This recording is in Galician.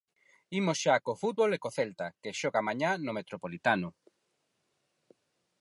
Imos xa co fútbol e co Celta, que xoga mañá no Metropolitano.